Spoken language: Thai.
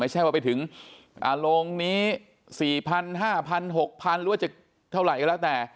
ไม่ใช่ว่าไปถึงโรงนี้๔๐๐๕๐๐๖๐๐หรือว่าจะเท่าไหร่ก็แล้วแต่